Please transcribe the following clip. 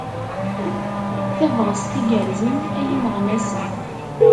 Tabɣest igerrezen ay imeɣnasen!